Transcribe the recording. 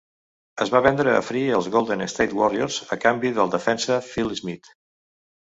Es va vendre a Free als Golden State Warriors a canvi del defensa Phil Smith.